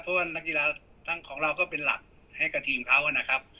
เพราะว่านักกีฬาทั้งของเราก็เป็นหลักให้กับทีมเขานะครับ